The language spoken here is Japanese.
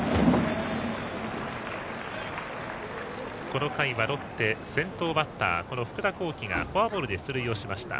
この回はロッテ、先頭バッターの福田光輝がフォアボールで出塁しました。